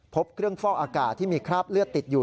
พบเครื่องฟอกอากาศที่มีคราบเลือดติดอยู่